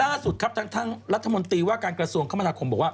ล่าสุดครับทางรัฐมนตรีว่าการกระทรวงคมนาคมบอกว่า